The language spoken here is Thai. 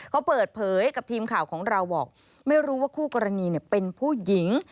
เขาเปิดเผยกับทีมข่าวของเราบอกไม่รู้ว่าคู่กรณีเป็นผู้หญิง